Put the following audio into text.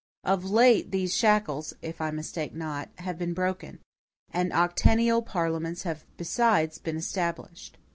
Of late these shackles, if I mistake not, have been broken; and octennial parliaments have besides been established.